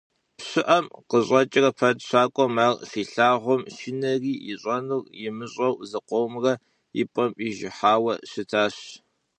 ПщыӀэм къыщӀэкӀрэ пэт щакӀуэм ар щилъагъум, шынэри ищӀэнур имыщӀэу зыкъомрэ и пӏэм ижыхьауэ щытащ.